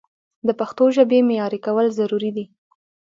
د پښتو ژبې معیاري کول ضروري دي.